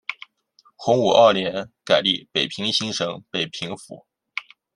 洪武二年改隶北平行省北平府。